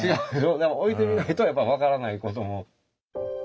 でも置いてみないとやっぱ分からないことも。